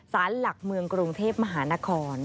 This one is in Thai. สารหลักเมืองกรุงเทพมหานคร